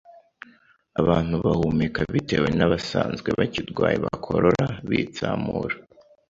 abantu bahumeka bitewe n’abasanzwe bakirwaye bakorora, bitsamura